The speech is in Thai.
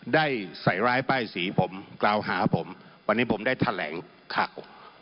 ได้ใส่ร้ายป้ายสีผมกล่าวหาผมวันนี้ผมได้แถลงข่าว